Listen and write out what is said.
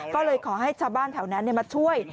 ก็เลยขอให้ชาวบ้านแถวนั้นมาช่วย